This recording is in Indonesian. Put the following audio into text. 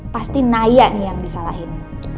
pasti naya nih yang disalahin